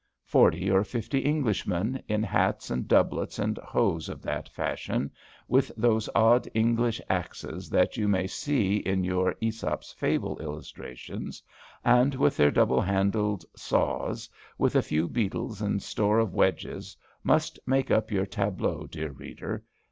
Forty or fifty Englishmen, in hats and doublets and hose of that fashion, with those odd English axes that you may see in your Æsop's fable illustrations, and with their double handled saws, with a few beetles, and store of wedges, must make up your tableau, dear reader.